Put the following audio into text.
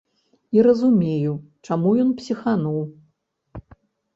І разумею, чаму ён псіхануў.